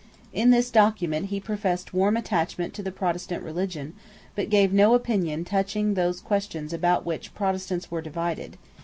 In this document he professed warm attachment to the Protestant religion, but gave no opinion touching those questions about which Protestants were divided.